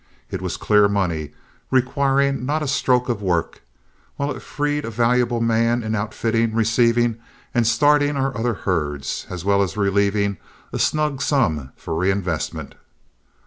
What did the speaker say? It was clear money, requiring not a stroke of work, while it freed a valuable man in outfitting, receiving, and starting our other herds, as well as relieving a snug sum for reinvestment.